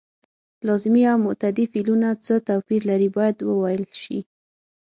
لازمي او متعدي فعلونه څه توپیر لري باید وویل شي.